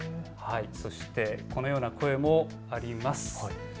このような声もあります。